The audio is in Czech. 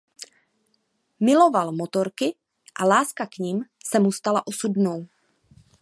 Miloval motorky a láska k nim se mu stala osudnou.